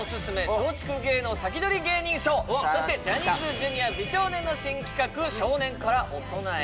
松竹芸能サキドリ芸人ショーそしてジャニーズＪｒ．美少年の新企画「少年から大人へ」